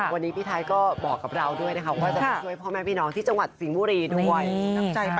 วันนี้พี่ไทยก็บอกกับเราด้วยนะคะว่าจะไปช่วยพ่อแม่พี่น้องที่จังหวัดสิงห์บุรีด้วย